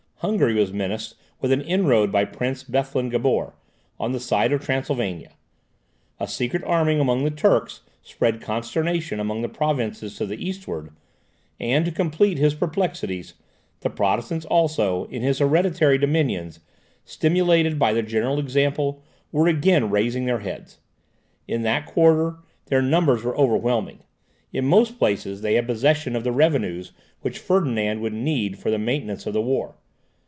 Hungary was menaced with an inroad by Prince Bethlen Gabor, on the side of Transylvania; a secret arming among the Turks spread consternation among the provinces to the eastward; and, to complete his perplexities, the Protestants also, in his hereditary dominions, stimulated by the general example, were again raising their heads. In that quarter, their numbers were overwhelming; in most places they had possession of the revenues which Ferdinand would need for the maintenance of the war.